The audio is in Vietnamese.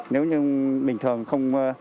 nếu như bình thường không